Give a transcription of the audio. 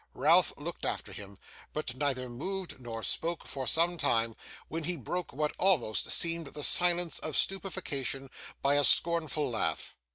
Ralph looked after him, but neither moved nor spoke for some time: when he broke what almost seemed the silence of stupefaction, by a scornful laugh.